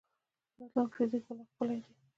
د راتلونکي فزیک به لا ښکلی دی.